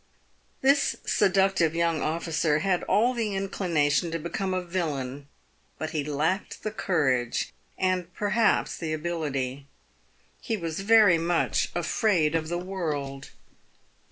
, This seductive young officer had all the inclination to become a Villain, but he lacked the courage, and perhaps the ability. He was /very much afraid of the world.